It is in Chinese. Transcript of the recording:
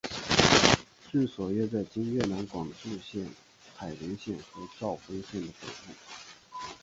治所约在今越南广治省海陵县和肇丰县的北部。